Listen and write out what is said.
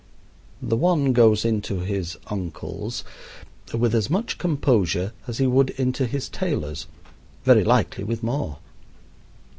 The one goes into his "uncle's" with as much composure as he would into his tailor's very likely with more.